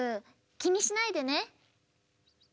きにしないでね！